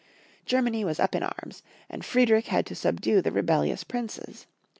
Germany was up in arms, and Friedrich had to subdue the rebellious princes.